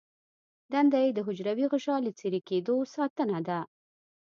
دنده یې د حجروي غشا له څیرې کیدو ساتنه ده.